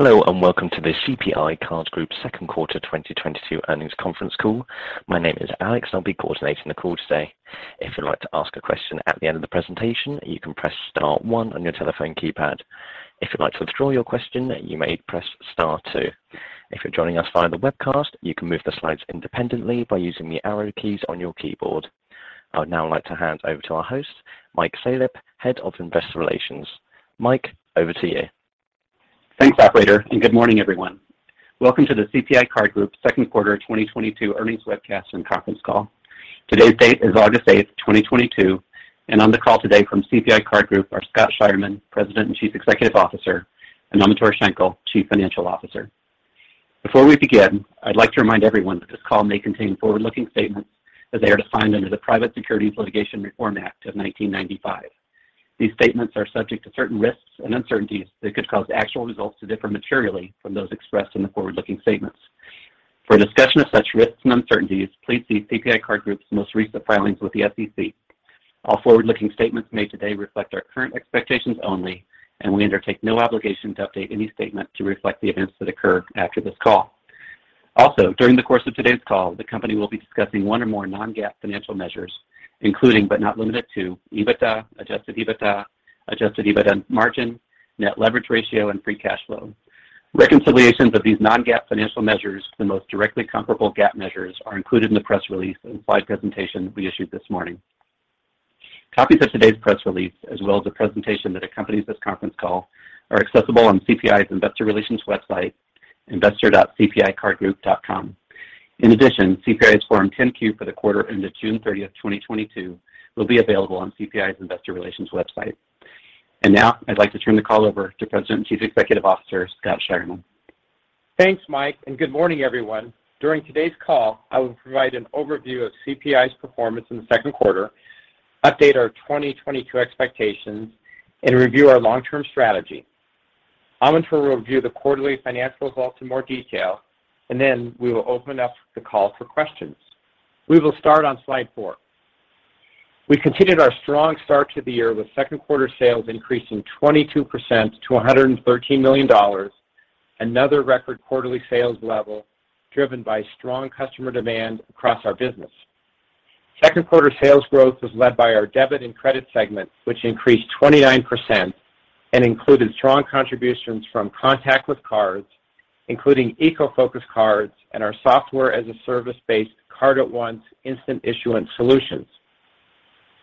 Hello, and welcome to the CPI Card Group Second Quarter 2022 Earnings Conference Call. My name is Alex, and I'll be coordinating the call today. If you'd like to ask a question at the end of the presentation, you can press star one on your telephone keypad. If you'd like to withdraw your question, you may press star two. If you're joining us via the webcast, you can move the slides independently by using the arrow keys on your keyboard. I would now like to hand over to our host, Mike Salop, Head of Investor Relations. Mike, over to you. Thanks, operator, and good morning, everyone. Welcome to the CPI Card Group Second Quarter 2022 Earnings Webcast and Conference Call. Today's date is August 8, 2022, and on the call today from CPI Card Group are Scott Scheirman, President and Chief Executive Officer, and Amintore Schenkel, Chief Financial Officer. Before we begin, I'd like to remind everyone that this call may contain forward-looking statements as they are defined under the Private Securities Litigation Reform Act of 1995. These statements are subject to certain risks and uncertainties that could cause actual results to differ materially from those expressed in the forward-looking statements. For a discussion of such risks and uncertainties, please see CPI Card Group's most recent filings with the SEC. All forward-looking statements made today reflect our current expectations only, and we undertake no obligation to update any statement to reflect the events that occur after this call. Also, during the course of today's call, the company will be discussing one or more non-GAAP financial measures, including but not limited to, EBITDA, Adjusted EBITDA, Adjusted EBITDA margin, net leverage ratio, and free cash flow. Reconciliations of these non-GAAP financial measures to the most directly comparable GAAP measures are included in the press release and slide presentation we issued this morning. Copies of today's press release, as well as a presentation that accompanies this conference call, are accessible on CPI's Investor Relations website, investor dot CPI Card Group dot com. In addition, CPI's Form 10-Q for the quarter ended June 30, 2022, will be available on CPI's Investor Relations website. Now I'd like to turn the call over to President and Chief Executive Officer, Scott Scheirman. Thanks, Mike, and good morning, everyone. During today's call, I will provide an overview of CPI's performance in the second quarter, update our 2022 expectations, and review our long-term strategy. Amintore will review the quarterly financial results in more detail, and then we will open up the call for questions. We will start on slide four. We continued our strong start to the year with second quarter sales increasing 22% to $113 million, another record quarterly sales level driven by strong customer demand across our business. Second quarter sales growth was led by our debit and credit segment, which increased 29% and included strong contributions from contactless cards, including eco-focused cards, and our software-as-a-service-based Card@Once instant issuance solutions.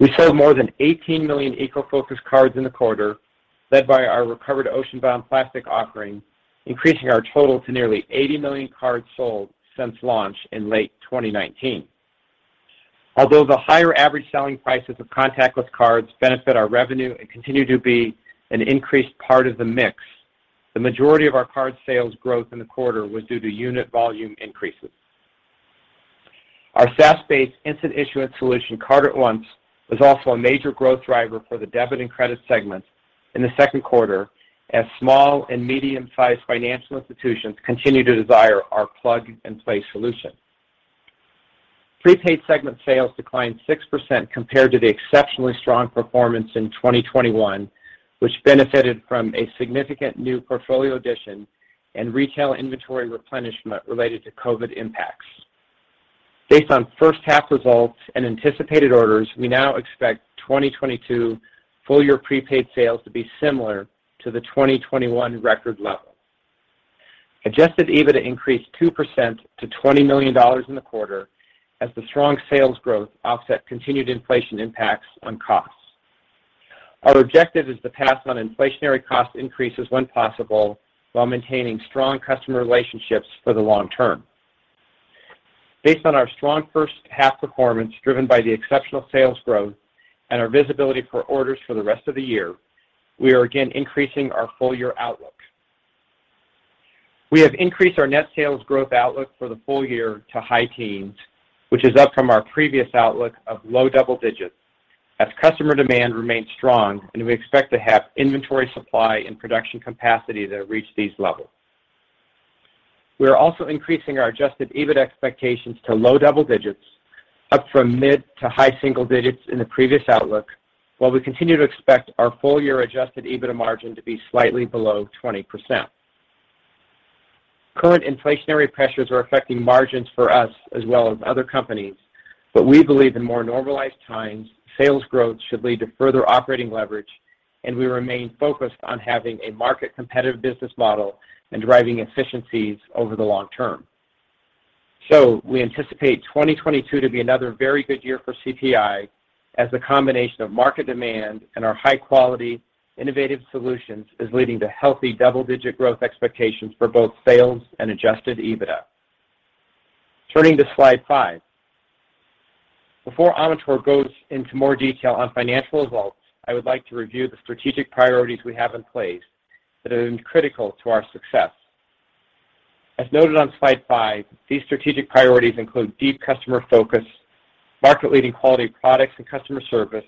We sold more than 18 million eco-focused cards in the quarter, led by our recovered ocean-bound plastic offering, increasing our total to nearly 80 million cards sold since launch in late 2019. Although the higher average selling prices of contactless cards benefit our revenue and continue to be an increased part of the mix, the majority of our card sales growth in the quarter was due to unit volume increases. Our SaaS-based instant issuance solution, Card@Once, was also a major growth driver for the debit and credit segments in the second quarter as small and medium-sized financial institutions continue to desire our plug-and-play solution. Prepaid segment sales declined 6% compared to the exceptionally strong performance in 2021, which benefited from a significant new portfolio addition and retail inventory replenishment related to COVID impacts. Based on first half results and anticipated orders, we now expect 2022 full year prepaid sales to be similar to the 2021 record level. Adjusted EBITDA increased 2% to $20 million in the quarter as the strong sales growth offset continued inflation impacts on costs. Our objective is to pass on inflationary cost increases when possible while maintaining strong customer relationships for the long term. Based on our strong first half performance driven by the exceptional sales growth and our visibility for orders for the rest of the year, we are again increasing our full year outlook. We have increased our net sales growth outlook for the full year to high teens, which is up from our previous outlook of low double digits as customer demand remains strong and we expect to have inventory supply and production capacity to reach these levels. We are also increasing our Adjusted EBITDA expectations to low double digits, up from mid to high single digits in the previous outlook, while we continue to expect our full year Adjusted EBITDA margin to be slightly below 20%. Current inflationary pressures are affecting margins for us as well as other companies, but we believe in more normalized times, sales growth should lead to further operating leverage, and we remain focused on having a market competitive business model and driving efficiencies over the long term. We anticipate 2022 to be another very good year for CPI as the combination of market demand and our high-quality innovative solutions is leading to healthy double-digit growth expectations for both sales and Adjusted EBITDA. Turning to slide five. Before Amintore goes into more detail on financial results, I would like to review the strategic priorities we have in place that have been critical to our success. As noted on slide five, these strategic priorities include deep customer focus, market-leading quality products and customer service,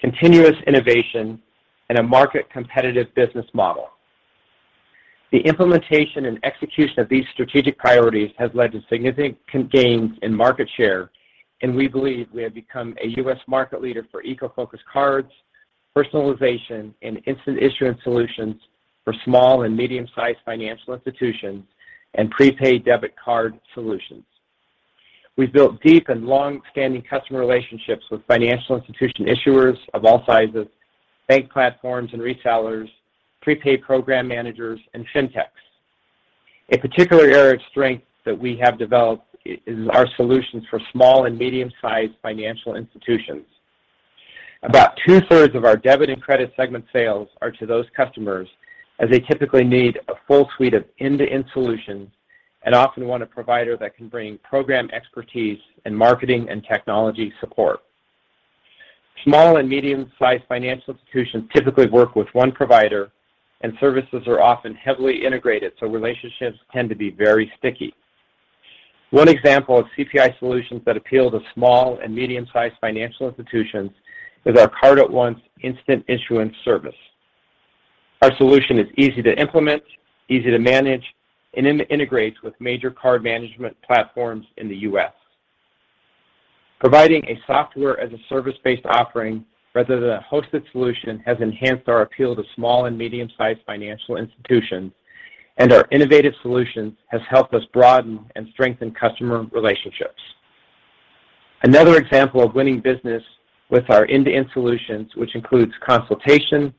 continuous innovation, and a market-competitive business model. The implementation and execution of these strategic priorities has led to significant gains in market share. We believe we have become a U.S. market leader for eco-focused cards, personalization, and instant issuance solutions for small and medium-sized financial institutions and prepaid debit card solutions. We've built deep and long-standing customer relationships with financial institution issuers of all sizes, bank platforms and resellers, prepaid program managers, and fintechs. A particular area of strength that we have developed is our solutions for small and medium-sized financial institutions. About two-thirds of our debit and credit segment sales are to those customers as they typically need a full suite of end-to-end solutions and often want a provider that can bring program expertise in marketing and technology support. Small and medium-sized financial institutions typically work with one provider, and services are often heavily integrated, so relationships tend to be very sticky. One example of CPI solutions that appeal to small and medium-sized financial institutions is our Card@Once instant issuance service. Our solution is easy to implement, easy to manage, and integrates with major card management platforms in the U.S. Providing a software-as-a-service based offering rather than a hosted solution has enhanced our appeal to small and medium-sized financial institutions, and our innovative solutions has helped us broaden and strengthen customer relationships. Another example of winning business with our end-to-end solutions, which includes consultation,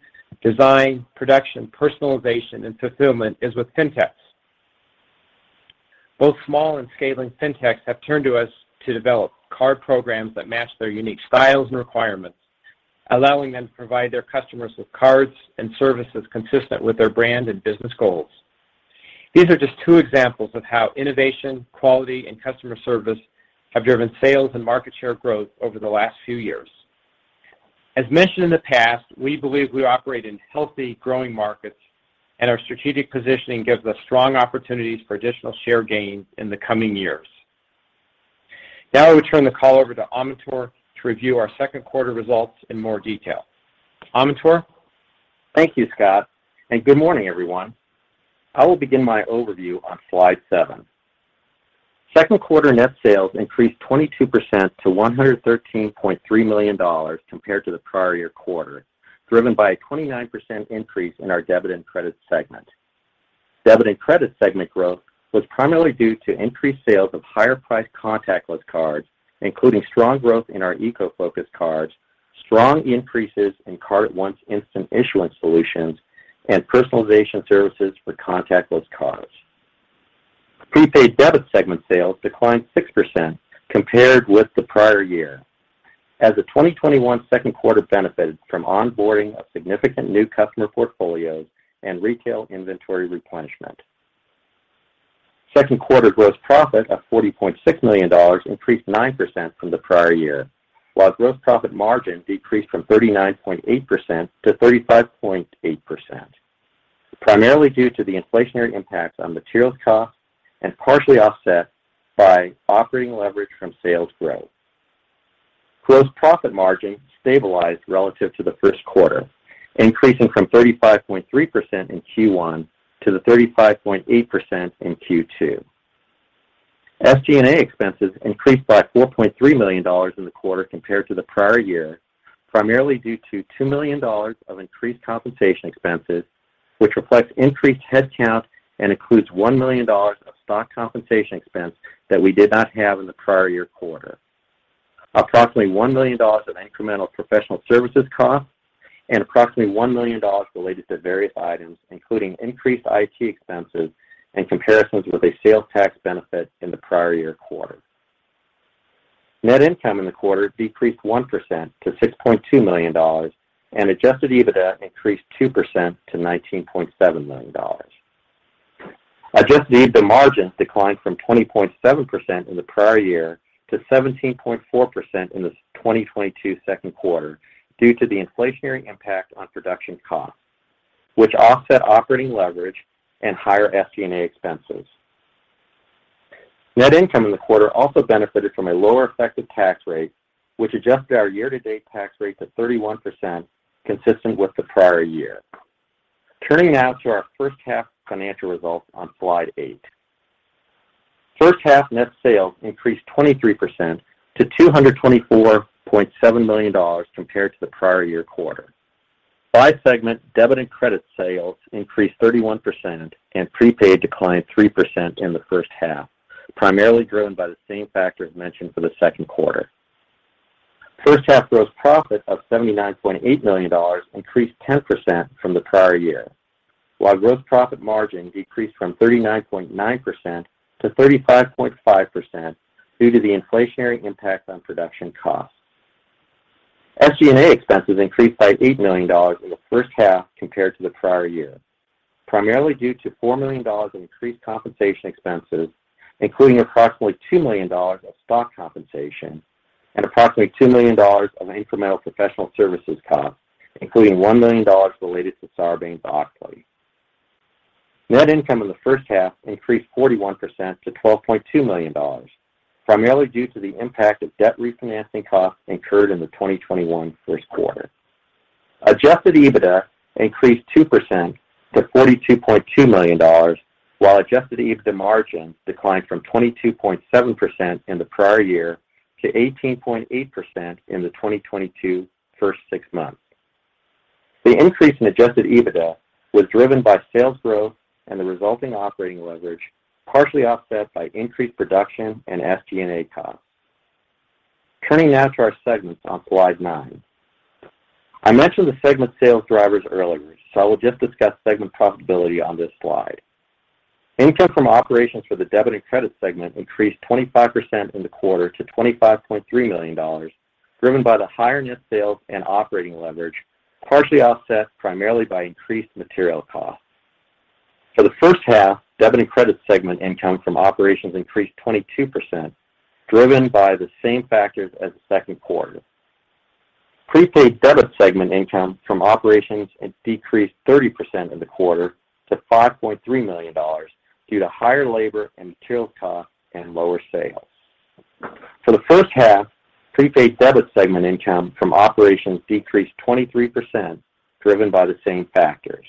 design, production, personalization, and fulfillment, is with fintechs. Both small and scaling fintechs have turned to us to develop card programs that match their unique styles and requirements, allowing them to provide their customers with cards and services consistent with their brand and business goals. These are just two examples of how innovation, quality, and customer service have driven sales and market share growth over the last few years. As mentioned in the past, we believe we operate in healthy, growing markets, and our strategic positioning gives us strong opportunities for additional share gain in the coming years. Now I will turn the call over to Amintore Schenkel to review our second quarter results in more detail. Amintore Schenkel. Thank you, Scott, and good morning, everyone. I will begin my overview on slide seven. Second quarter net sales increased 22% to $113.3 million compared to the prior year quarter, driven by a 29% increase in our debit and credit segment. Debit and credit segment growth was primarily due to increased sales of higher-priced contactless cards, including strong growth in our eco-focused cards, strong increases in Card@Once instant issuance solutions, and personalization services for contactless cards. Prepaid debit segment sales declined 6% compared with the prior year as the 2021 second quarter benefited from onboarding a significant new customer portfolios and retail inventory replenishment. Second quarter gross profit of $40.6 million increased 9% from the prior year, while gross profit margin decreased from 39.8%-35.8%, primarily due to the inflationary impacts on materials costs and partially offset by operating leverage from sales growth. Gross profit margin stabilized relative to the first quarter, increasing from 35.3% in Q1 to the 35.8% in Q2. SG&A expenses increased by $4.3 million in the quarter compared to the prior year, primarily due to $2 million of increased compensation expenses, which reflects increased headcount and includes $1 million of stock compensation expense that we did not have in the prior year quarter. Approximately $1 million of incremental professional services costs and approximately $1 million related to various items, including increased IT expenses and comparisons with a sales tax benefit in the prior year quarter. Net income in the quarter decreased 1% to $6.2 million, and Adjusted EBITDA increased 2% to $19.7 million. Adjusted EBITDA margins declined from 20.7% in the prior year to 17.4% in the 2022 second quarter due to the inflationary impact on production costs, which offset operating leverage and higher SG&A expenses. Net income in the quarter also benefited from a lower effective tax rate, which adjusted our year-to-date tax rate to 31% consistent with the prior year. Turning now to our first half financial results on slide eight. First half net sales increased 23% to $224.7 million compared to the prior year quarter. By segment, debit and credit sales increased 31%, and prepaid declined 3% in the first half, primarily driven by the same factors mentioned for the second quarter. First half gross profit of $79.8 million increased 10% from the prior year, while gross profit margin decreased from 39.9% to 35.5% due to the inflationary impact on production costs. SG&A expenses increased by $8 million in the first half compared to the prior year, primarily due to $4 million in increased compensation expenses, including approximately $2 million of stock compensation and approximately $2 million of incremental professional services costs, including $1 million related to Sarbanes-Oxley. Net income in the first half increased 41% to $12.2 million, primarily due to the impact of debt refinancing costs incurred in the 2021 first quarter. Adjusted EBITDA increased 2% to $42.2 million, while Adjusted EBITDA margin declined from 22.7% in the prior year to 18.8% in the 2022 first six months. The increase in Adjusted EBITDA was driven by sales growth and the resulting operating leverage, partially offset by increased production and SG&A costs. Turning now to our segments on slide nine. I mentioned the segment sales drivers earlier, so I will just discuss segment profitability on this slide. Income from operations for the debit and credit segment increased 25% in the quarter to $25.3 million, driven by the higher net sales and operating leverage, partially offset primarily by increased material costs. For the first half, debit and credit segment income from operations increased 22%, driven by the same factors as the second quarter. Prepaid debit segment income from operations, it decreased 30% in the quarter to $5.3 million due to higher labor and material costs and lower sales. For the first half, prepaid debit segment income from operations decreased 23%, driven by the same factors.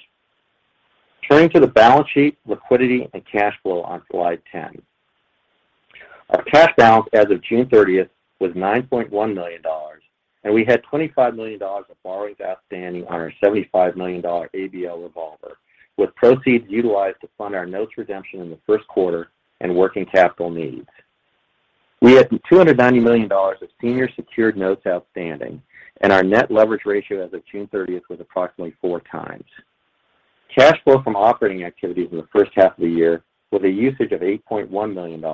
Turning to the balance sheet, liquidity, and cash flow on slide 10. Our cash balance as of June 30 was $9.1 million, and we had $25 million of borrowings outstanding on our $75 million ABL revolver, with proceeds utilized to fund our notes redemption in the first quarter and working capital needs. We had $290 million of senior secured notes outstanding, and our net leverage ratio as of June 30 was approximately four times. Cash flow from operating activities in the first half of the year was a usage of $8.1 million,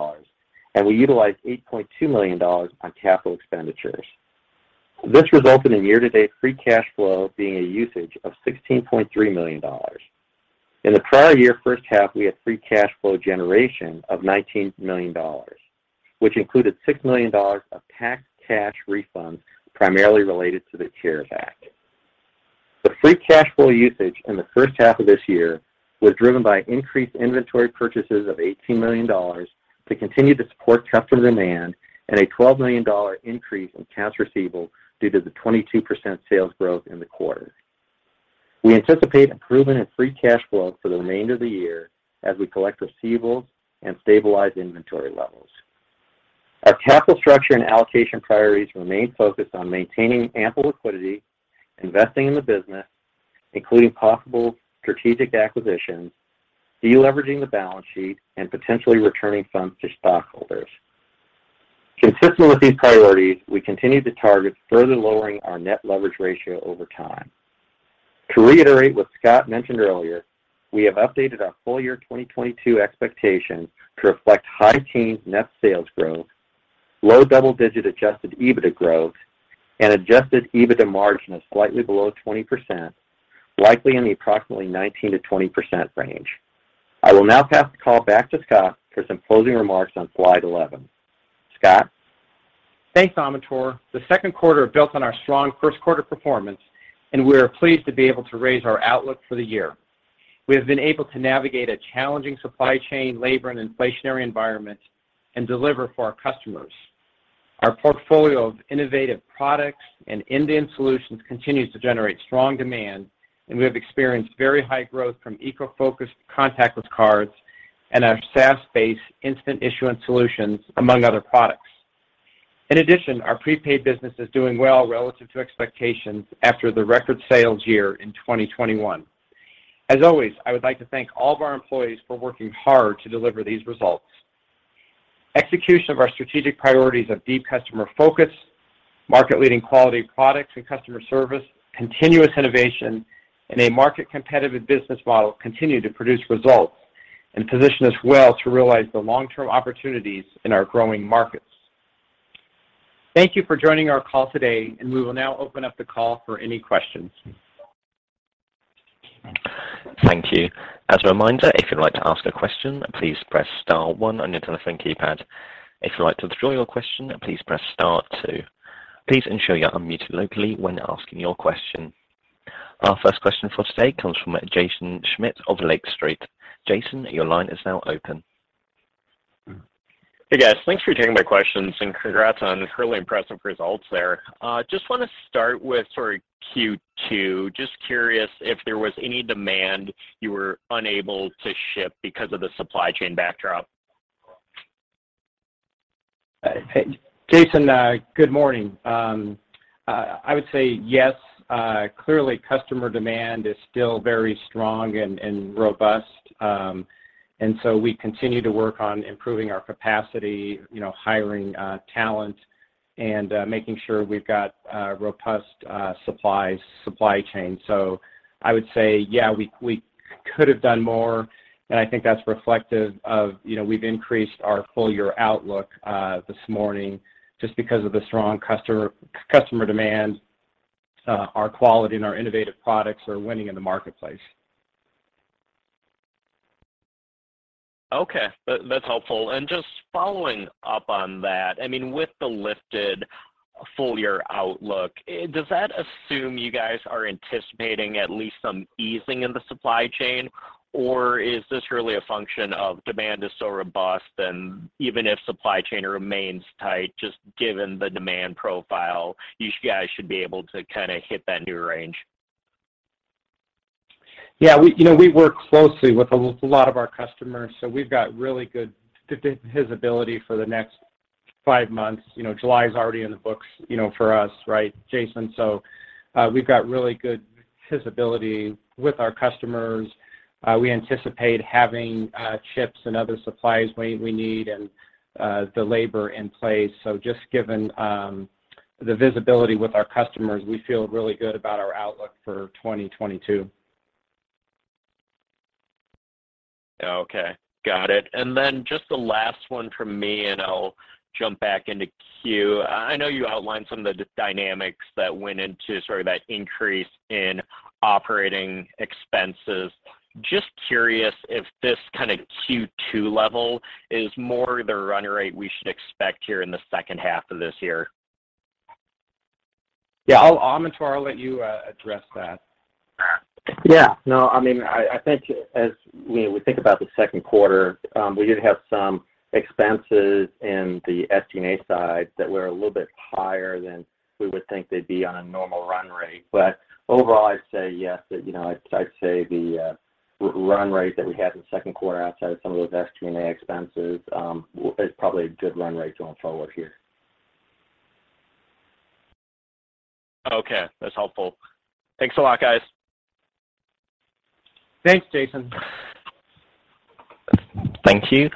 and we utilized $8.2 million on capital expenditures. This resulted in year-to-date free cash flow being a usage of $16.3 million. In the prior year first half, we had free cash flow generation of $19 million, which included $6 million of tax cash refunds primarily related to the CARES Act. The free cash flow usage in the first half of this year was driven by increased inventory purchases of $18 million to continue to support customer demand and a $12 million increase in cash receivables due to the 22% sales growth in the quarter. We anticipate improvement in free cash flow for the remainder of the year as we collect receivables and stabilize inventory levels. Our capital structure and allocation priorities remain focused on maintaining ample liquidity, investing in the business, including possible strategic acquisitions, de-leveraging the balance sheet, and potentially returning funds to stockholders. Consistent with these priorities, we continue to target further lowering our net leverage ratio over time. To reiterate what Scott mentioned earlier, we have updated our full year 2022 expectations to reflect high teens% net sales growth, low double-digit Adjusted EBITDA growth, and Adjusted EBITDA margin of slightly below 20%, likely in the approximately 19%-20% range. I will now pass the call back to Scott for some closing remarks on slide 11. Scott? Thanks, Amintore. The second quarter built on our strong first quarter performance, and we are pleased to be able to raise our outlook for the year. We have been able to navigate a challenging supply chain, labor, and inflationary environment and deliver for our customers. Our portfolio of innovative products and end-to-end solutions continues to generate strong demand, and we have experienced very high growth from eco-focused contactless cards and our SaaS-based instant issuance solutions, among other products. In addition, our prepaid business is doing well relative to expectations after the record sales year in 2021. As always, I would like to thank all of our employees for working hard to deliver these results. Execution of our strategic priorities of deep customer focus, market-leading quality products and customer service, continuous innovation, and a market competitive business model continue to produce results and position us well to realize the long-term opportunities in our growing markets. Thank you for joining our call today, and we will now open up the call for any questions. Thank you. As a reminder, if you'd like to ask a question, please press star one on your telephone keypad. If you'd like to withdraw your question, please press star two. Please ensure you are unmuted locally when asking your question. Our first question for today comes from Jaeson Schmidt of Lake Street. Jaeson, your line is now open. Hey, guys. Thanks for taking my questions, and congrats on really impressive results there. Just want to start with sort of Q2. Just curious if there was any demand you were unable to ship because of the supply chain backdrop. Jaeson, good morning. I would say yes, clearly customer demand is still very strong and robust, and so we continue to work on improving our capacity, you know, hiring talent and making sure we've got robust supply chain. I would say, yeah, we could have done more, and I think that's reflective of, you know, we've increased our full year outlook this morning just because of the strong customer demand. Our quality and our innovative products are winning in the marketplace. Okay. That's helpful. Just following up on that, I mean, with the lifted full year outlook, does that assume you guys are anticipating at least some easing in the supply chain, or is this really a function of demand is so robust and even if supply chain remains tight, just given the demand profile, you guys should be able to kind of hit that new range? Yeah. We, you know, we work closely with a lot of our customers, so we've got really good visibility for the next five months. You know, July is already in the books, you know, for us, right, Jaeson? We've got really good visibility with our customers. We anticipate having chips and other supplies we need and the labor in place. Just given the visibility with our customers, we feel really good about our outlook for 2022. Okay. Got it. Just the last one from me, and I'll jump back into queue. I know you outlined some of the dynamics that went into sort of that increase in operating expenses. Just curious if this kind of Q2 level is more the run rate we should expect here in the second half of this year. Yeah. I'll let Amintore address that. Yeah. No, I mean, I think as we think about the second quarter, we did have some expenses in the SG&A side that were a little bit higher than we would think they'd be on a normal run rate. Overall, I'd say yes, that, you know, I'd say the run rate that we had in the second quarter outside of some of those SG&A expenses is probably a good run rate to follow here. Okay. That's helpful. Thanks a lot, guys. Thanks, Jaeson. Thank you.